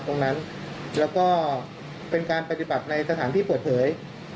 ตรงนั้นแล้วก็เป็นการปฏิบัติในสถานที่เปิดเผย